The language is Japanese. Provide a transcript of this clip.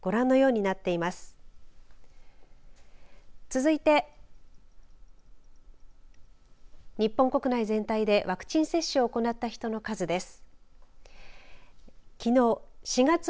続いて日本国内全体でワクチン接種を行った人の数です。